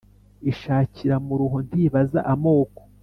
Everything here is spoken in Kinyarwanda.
Ishakira muruho ntibaza amoko